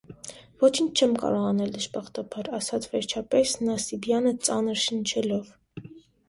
ոչինչ չեմ կարող անել, դժբախտաբար,- ասաց, վերջապես, Նասիբյանը ծանր շնչելով: